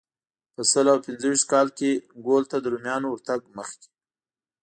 په سل او پنځه ویشت کال کې ګول ته د رومیانو ورتګ مخکې.